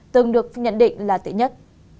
từng được nhận định là tệ nhất